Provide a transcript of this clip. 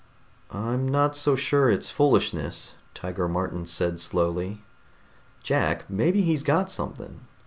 "I'm not so sure it's foolishness," Tiger Martin said slowly. "Jack, maybe he's got something.